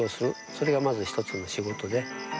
それがまず１つの仕事で。